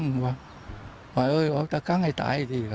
พอแล้วลงมาเล่นการพนันในหน่วยทำไมนาย